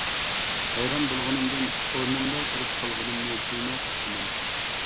ھەيران بولغىنىمدىن ئورنۇمدا تۇرۇپ قالغىنىمنى تۇيماي قاپتىمەن.